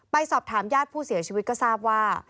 ไปสอบถามญาติผู้เสียชีวิตก็ทราบว่า